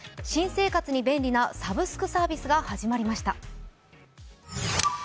新生活に便利なサブスクサービスが始まりました。